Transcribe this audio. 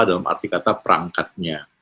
dalam arti kata perangkatnya